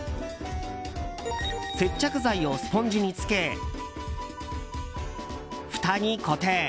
接着剤をスポンジにつけふたに固定。